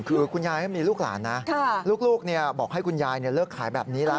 คือคุณยายไม่มีลูกหลานนะลูกบอกให้คุณยายเลิกขายแบบนี้แล้ว